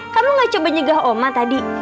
kamu gak coba nyegah oma tadi